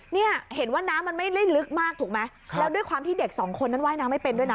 เนี่ยเห็นว่าน้ำมันไม่ได้ลึกมากถูกไหมแล้วด้วยความที่เด็กสองคนนั้นว่ายน้ำไม่เป็นด้วยนะ